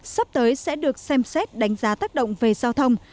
sắp tới sẽ được xem xét đánh giá tác động về giao thông